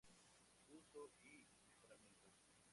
Uso y mejoramiento.